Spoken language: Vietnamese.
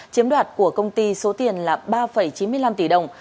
chiếm đoạt của công ty số tiền là ba chín mươi năm tỷ đồng